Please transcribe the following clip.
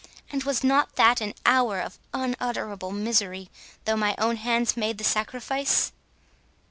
And was not that an hour of unutterable misery, though my own hands made the sacrifice?"